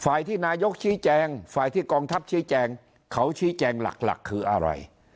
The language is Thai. ที่นายกชี้แจงฝ่ายที่กองทัพชี้แจงเขาชี้แจงหลักคืออะไร